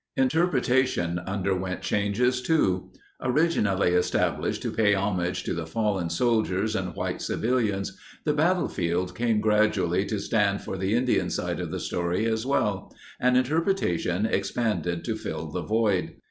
Interpretation underwent changes, too. Originally established to pay homage to the fallen soldiers and white civilians, the battlefield came gradually to stand for the Indian side of the story as well, and interpretation expanded to fill the void.